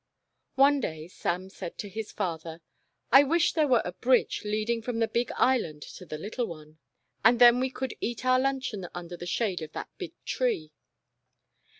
One day Sam said to his father :" I wish there were a bridge leading from the big Island to the little one, and then we could eat our luncheon under the shade of that big tree."